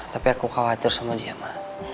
tapi aku khawatir sama dia ma